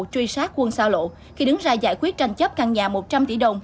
truy sát quân sao lộ khi đứng ra giải quyết tranh chấp căn nhà một trăm linh tỷ đồng